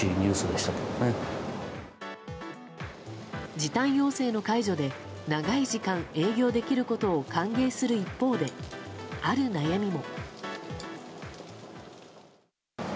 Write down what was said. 時短要請の解除で長い時間、営業できることを歓迎する一方で、ある悩みも。